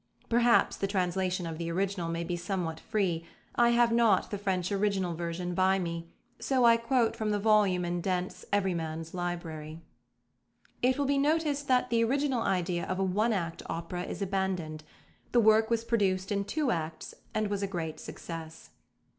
Perhaps the translation of the original may be somewhat free: I have not the French original version by me, so I quote from the volume in Dent's "Everyman's Library." It will be noticed that the original idea of a one act opera is abandoned. The work was produced in two acts, and was a great success.